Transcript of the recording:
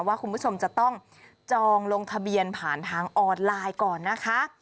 ว่าคุณผู้ชมจะต้องจองลงทะเบียนผ่านทางออนไลน์ก่อนนะคะ